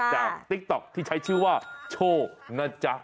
ติ๊กต๊อกที่ใช้ชื่อว่าโชคนะจ๊ะ